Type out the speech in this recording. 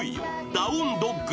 ダウンドッグ